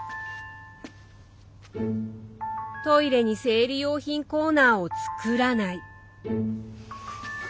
トイレに生理用品コーナーを作らない。